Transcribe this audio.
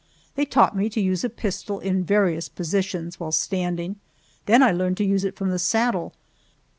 They taught me to use a pistol in various positions while standing; then I learned to use it from the saddle.